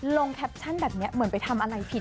แคปชั่นแบบนี้เหมือนไปทำอะไรผิด